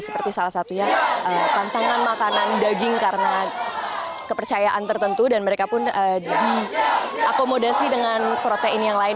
seperti salah satunya tantangan makanan daging karena kepercayaan tertentu dan mereka pun diakomodasi dengan protein yang lain